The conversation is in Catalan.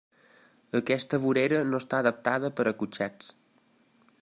Aquesta vorera no està adaptada per a cotxets.